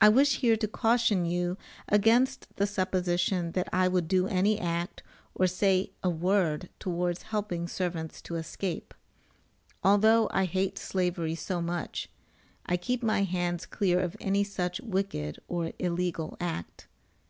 [I wish here to caution you against the supposition that I would do any act, or say a word towards helping servants to escape. Although I hate slavery so much, I keep my hands clear of any such wicked or illegal act.